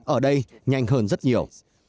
ở đây nhanh hơn rất nhiều